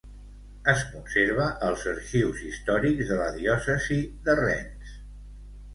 Es conserva als Arxius històrics de la diòcesi de Rennes.